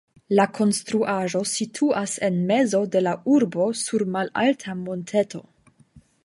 La konstruaĵo situas en mezo de la urbo sur malalta monteto.